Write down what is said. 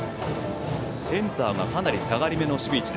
センターはかなり下がりめの守備位置。